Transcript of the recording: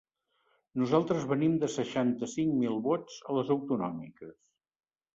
Nosaltres venim de seixanta-cinc mil vots a les autonòmiques.